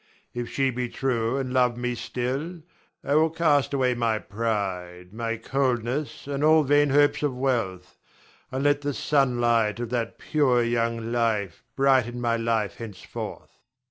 If she be true and love me still I will cast away my pride, my coldness, and all vain hopes of wealth, and let the sunlight of that pure, young life brighten my life henceforth.